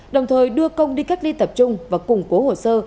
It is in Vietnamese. đồng thời đưa công đi cách ly tập trung và củng cố hồ sơ